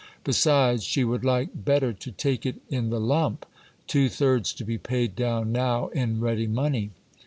Besides, she would like better to take it in the lump ; two thirds to be paid down now in ready money.